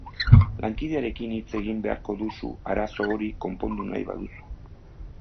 Lankidearekin hitzegin beharko duzu arazo hori konpondu nahi baduzu.